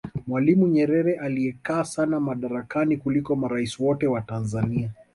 mwalimu nyerere aliyekaa sana madarakani kuliko maraisi wote wa tanzania